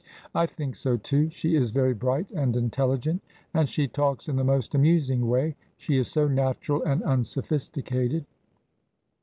"I think so, too. She is very bright and intelligent, and she talks in the most amusing way. She is so natural and unsophisticated."